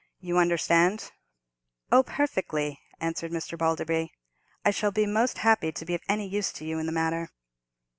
You understand?" "Oh, perfectly," answered Mr. Balderby; "I shall be most happy to be of any use to you in the matter."